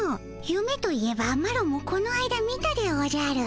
ゆめといえばマロもこのあいだ見たでおじゃる。